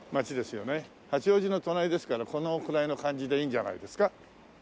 八王子の隣ですからこのくらいの感じでいいんじゃないですか？